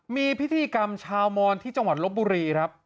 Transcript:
มีพิธีกรรมชาวมอนที่จังหวัดลบบุรีครับ